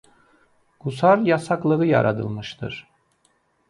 Qusar yasaqlığı yaradılmışdır.